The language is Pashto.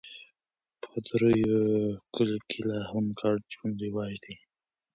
په ډېرو کلیو کې لا هم ګډ ژوند رواج دی.